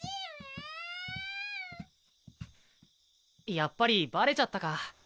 やっぱりバレちゃったか。